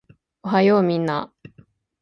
おはようみんなー